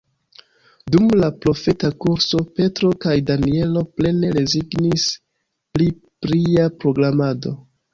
Dum la profeta kurso Petro kaj Danjelo plene rezignis pri plia programado.